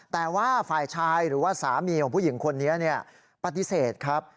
แต่ว่าฝ่ายชายหรือว่าสามีของผู้หญิงคนนี้ปฏิเสธครับ